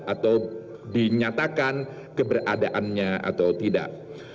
atau dinyatakan keberadaannya atau tidak